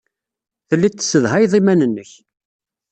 Telliḍ tessedhayeḍ iman-nnek.